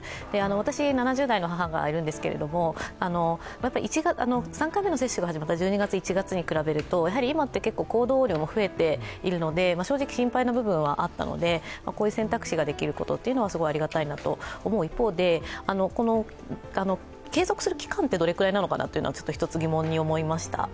私、７０代の母がいるんですけれども３回目の接種が始まった１２月、１月に比べると今って結構行動量も増えているので、正直心配な部分はあったのでこういう選択肢ができることっていうのはすごいありがたいなと思う一方で、継続する期間ってどれぐらいなのかなっていうのは一つ疑問に思いました。